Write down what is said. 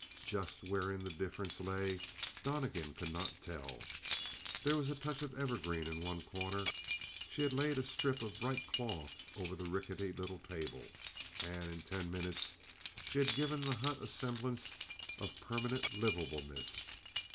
Just wherein the difference lay, Donnegan could not tell. There was a touch of evergreen in one corner; she had laid a strip of bright cloth over the rickety little table, and in ten minutes she had given the hut a semblance of permanent livableness.